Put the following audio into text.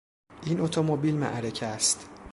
این اتومبیل معرکه است.